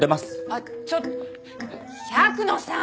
あっちょ百野さん！